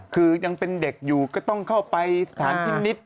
คือยังเป็นเด็กอยู่ก็ต้องเข้าไปสถานพินิษฐ์